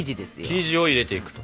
生地を入れていくと。